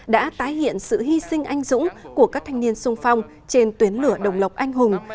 đã tái hiện sự hy sinh anh dũng của các thanh niên sung phong trên tuyến lửa đồng lộc anh hùng